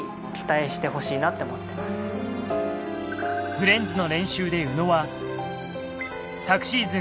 「フレンズ」の練習で宇野は昨シーズン